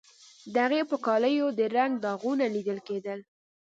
د هغې په کالیو د رنګ داغونه لیدل کیدل